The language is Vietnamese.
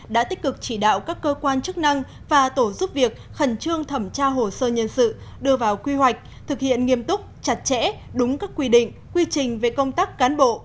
đã tích cực chỉ đạo các cơ quan chức năng và tổ giúp việc khẩn trương thẩm tra hồ sơ nhân sự đưa vào quy hoạch thực hiện nghiêm túc chặt chẽ đúng các quy định quy trình về công tác cán bộ